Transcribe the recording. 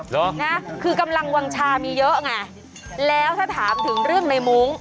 เหรอนะคือกำลังวางชามีเยอะไงแล้วถ้าถามถึงเรื่องในมุ้ง